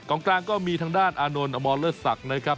กลางก็มีทางด้านอานนท์อมรเลิศศักดิ์นะครับ